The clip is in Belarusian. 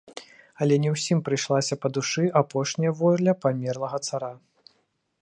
Але не ўсім прыйшлася па душы апошняя воля памерлага цара.